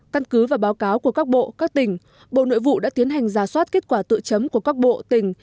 căn cứ và báo cáo của các bộ các tỉnh bộ nội vụ đã tiến hành giả soát kết quả tự chấm của các bộ tỉnh